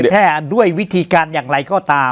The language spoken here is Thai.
ด้วยวิธีการอย่างไรก็ตาม